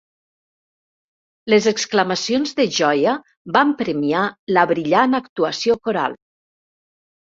Les exclamacions de joia van premiar la brillant actuació coral.